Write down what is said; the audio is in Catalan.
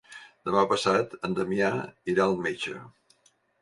Demà passat en Damià irà al metge.